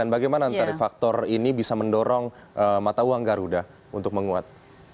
bagaimana antara faktor ini bisa mendorong mata uang garuda untuk menguat